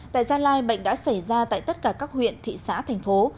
tại gia lai bệnh đã xảy ra tại tất cả các huyện thị xã thành phố